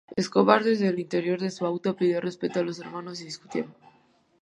Escobar, desde el interior de su auto, pidió respeto a los hermanos y discutieron.